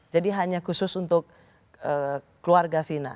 jadi hanya khusus untuk keluarga vina